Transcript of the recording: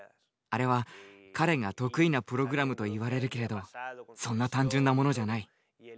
あれは彼が得意なプログラムと言われるけれどそんな単純なものじゃない。